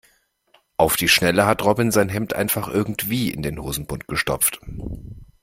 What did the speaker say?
Auf die Schnelle hat Robin sein Hemd einfach irgendwie in den Hosenbund gestopft.